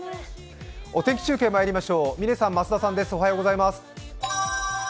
お天気中継まいりましょう、嶺さん、増田さんです。